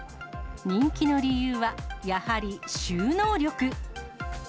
人気の理由は、やはり収納力。